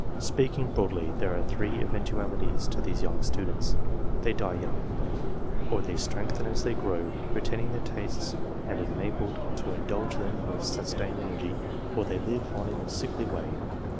Speaking broadly, there are three eventualities to these young students. They die young ; or they strengthen as they grow, retaining their tastes and enabled to indulge them with sustained energy ; or they live on in a sickly way.